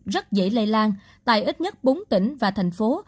rất dễ lây lan tại ít nhất bốn tỉnh và thành phố